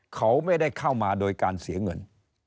เขาไม่ได้เข้ามาโดยการเสียเงิน